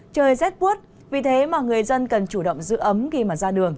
trời rất buốt vì thế mà người dân cần chủ động giữ ấm khi ra đường